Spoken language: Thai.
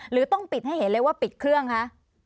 หรือต้องปิดให้เห็นเลยว่าปิดเครื่องคะ